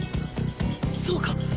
そうか！